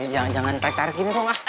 jangan jangan tarik tarikin kok